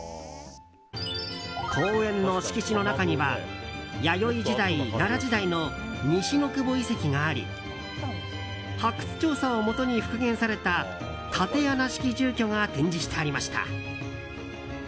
公園の敷地の中には弥生時代、奈良時代の西ノ窪遺跡があり発掘調査をもとに復元された竪穴式住居が展示してありました。